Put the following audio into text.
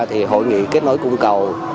thì hội nghị kết nối cung cầu